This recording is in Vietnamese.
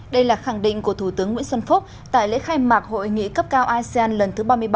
đây là khẳng định của thủ tướng nguyễn xuân phúc tại lễ khai mạc hội nghị cấp cao asean lần thứ ba mươi ba